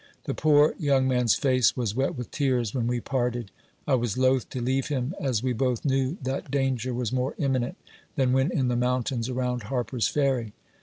The poor young man's face was wet with tears when we parted. I was loth to leave him, as we both knew that danger was more imminent than when in the mountains around Harper's Ferry.